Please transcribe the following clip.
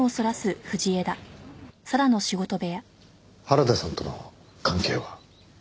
原田さんとの関係は？